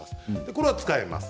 これは使います。